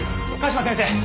嘉島先生！